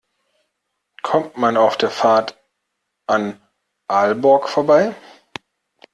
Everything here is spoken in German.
Kommt man auf der Fahrt an Aalborg vorbei?